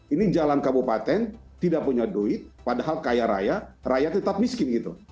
ini jalan kabupaten tidak punya duit padahal kaya raya rakyat tetap miskin gitu